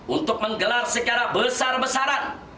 untuk menggelar secara besar besaran